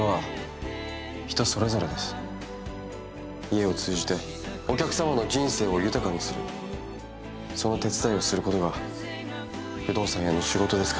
家を通じてお客様の人生を豊かにするその手伝いをすることが不動産屋の仕事ですから。